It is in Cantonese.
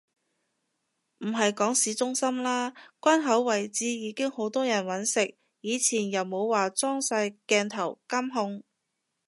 唔係講市中心啦，關口位置已經好多人搵食，以前又冇話裝晒鏡頭監控